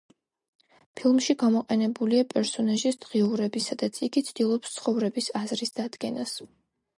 ფილმში გამოყენებულია პერსონაჟის დღიურები, სადაც იგი ცდილობს ცხოვრების აზრის დადგენას.